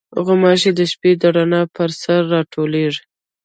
غوماشې د شپې د رڼا پر سر راټولېږي.